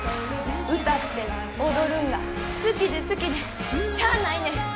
歌って踊るんが好きで好きでしゃあないねん。